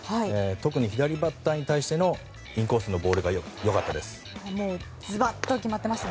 特に左バッターに対してのインコースのボールが良かったです。